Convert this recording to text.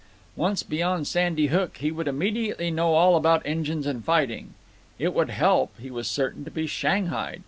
Once beyond Sandy Hook, he would immediately know all about engines and fighting. It would help, he was certain, to be shanghaied.